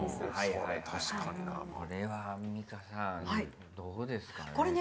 これはアンミカさんどうですかね。